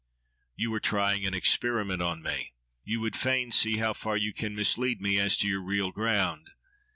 —You are trying an experiment on me. You would fain see how far you can mislead me as to your real ground.